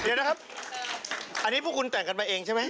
เดี๋ยวนะครับอันนี้พวกคุณแต่งกันมาเองใช่ไหม